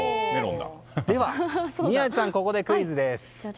では宮司さん、ここでクイズです。